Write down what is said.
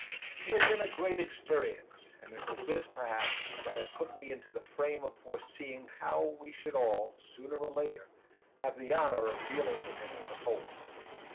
He had been a great experience, and it was this perhaps that had put me into the frame of foreseeing how we should all, sooner or later, have the honour of dealing with him as a whole.